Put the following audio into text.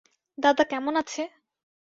দাদা কেমন আছে?